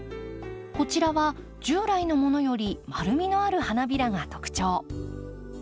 こちらは従来のものより丸みのある花びらが特徴。